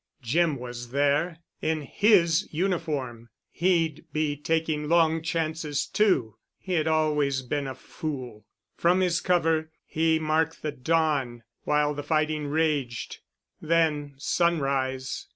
Jim was there—in his uniform. He'd be taking long chances too. He had always been a fool.... From his cover he marked the dawn while the fighting raged—then sunrise.